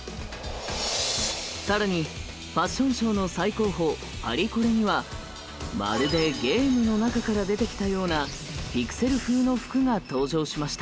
更にファッションショーの最高峰パリコレにはまるでゲームの中から出てきたようなピクセル風の服が登場しました。